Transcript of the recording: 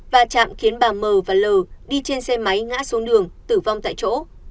và chạm khiến bà m và l đi trên xe máy ngã xuống đường tử vong tại chỗ